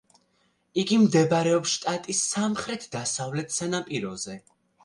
იგი მდებარეობს შტატის სამხრეთ-დასავლეთ სანაპიროზე.